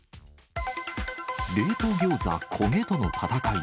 冷凍ギョーザ、焦げとの戦い。